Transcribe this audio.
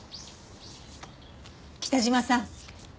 北島さん。